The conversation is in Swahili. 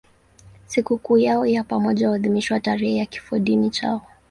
Sikukuu yao ya pamoja huadhimishwa tarehe ya kifodini chao.